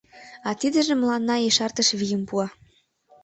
А тидыже мыланна ешартыш вийым пуа.